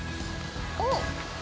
おっ！